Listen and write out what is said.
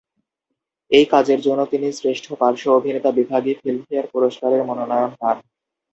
এই কাজের জন্য তিনি শ্রেষ্ঠ পার্শ্ব অভিনেতা বিভাগে ফিল্মফেয়ার পুরস্কারের মনোনয়ন পান।